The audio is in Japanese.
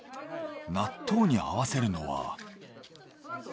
納豆に合わせるのは。